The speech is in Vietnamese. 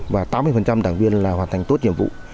và tám mươi đảng viên là hoàn thành tốt nhiệm vụ